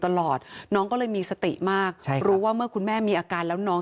ตลอดน้องก็เลยมีสติมากใช่รู้ว่าเมื่อคุณแม่มีอาการแล้วน้อง